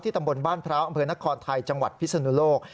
ตำบลบ้านพร้าวอำเภอนครไทยจังหวัดพิศนุโลก